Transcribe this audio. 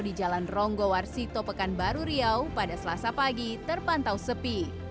di jalan ronggowarsito pekanbaru riau pada selasa pagi terpantau sepi